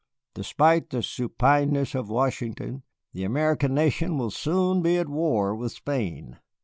Despite the supineness of Washington, the American nation will soon be at war with Spain.